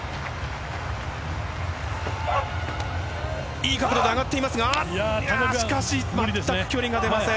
いい角度で上がりましたがしかし、全く距離が出ません。